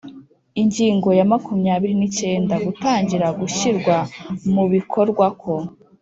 Ingingo ya makumyabiri n’icyenda: Gutangira gushyirwa mu bikorwako